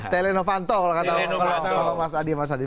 telenovanto kalau kata mas adi